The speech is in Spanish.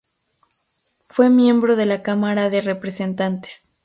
Fue miembro de la Cámara de Representantes.